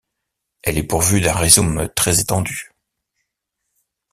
Elle est pourvue d’un rhizome très étendu.